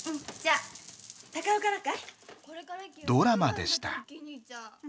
ドラマでした。